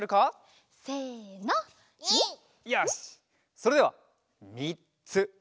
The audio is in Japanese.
それではみっつ！